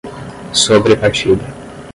sobrepartilha